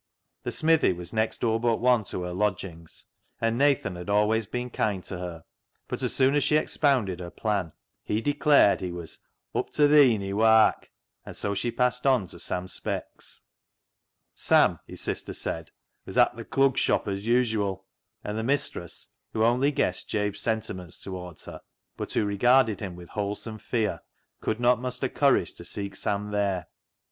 The smithy was next door but one to her lodgings, and Nathan had always been kind to her, but as soon as she expounded her plan he declared he was " up to th' een i' wark "; and so she passed on to Sam Speck's. Sam, his sister said, was " at th' Clug Shop as yewzuall," and the mistress, who only guessed Jabe's sentiments towards her, but who regarded him with wholesome fear, could not muster courage to seek Sam there.